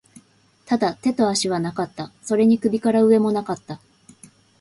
ただ、手と足はなかった。それに首から上も無かった。